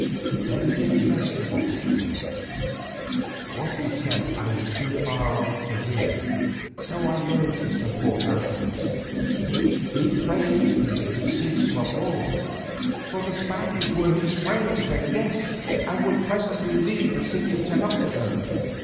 Then he addressed the multitude. What he said I was too far off to hear, though I learned its purport afterwards. He prayed his people to cease from war, for the Spaniards were his friends and guests and would presently leave the city of Tenoctitlan.